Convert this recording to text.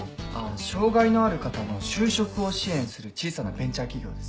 障がいのある方の就職を支援する小さなベンチャー企業です。